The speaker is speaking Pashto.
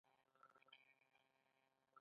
د کارګر او پانګهوال اړیکه هم خیالي ده.